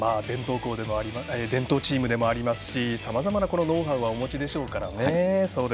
伝統チームでもありますしさまざまなノウハウはお持ちでしょうからね。